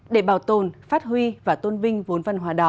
để bảo tồn phát huy và tôn vinh vốn văn hóa đó